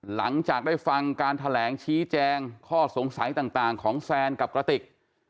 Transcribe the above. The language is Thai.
หลังจากได้ฟังการแถลงชี้แจงข้อสงสัยต่างของแซนกับกระติก